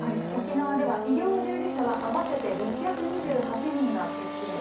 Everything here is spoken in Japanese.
沖縄では、医療従事者は合わせて６２８人が欠勤。